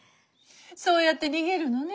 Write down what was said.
そうやって逃げるのね。